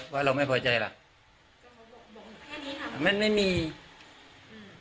ว่าเราไม่พอใจล่ะแค่นี้ค่ะมันไม่มีอืม